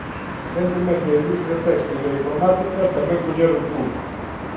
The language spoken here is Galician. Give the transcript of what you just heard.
Recentemente a industria téxtil e a informática tamén colleron pulo.